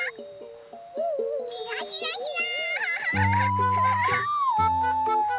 ひらひらひら。